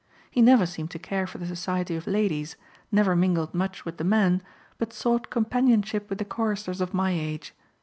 He never seemed to care for the society of ladies, never mingled much with the men, but sought companionship with the choristers of my age.